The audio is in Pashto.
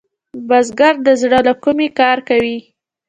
بزګر د زړۀ له کومي کار کوي